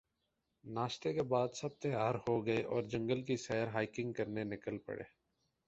ناشتے کے بعد سب تیار ہو گئے اور جنگل کی سیر ہائیکنگ کرنے نکل پڑے